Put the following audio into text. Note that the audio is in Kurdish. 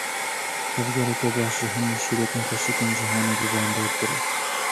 Tevgereke baş ji hemû şîretên xweşik ên cîhanê bibandortir e.